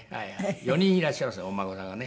４人いらっしゃいますお孫さんがね。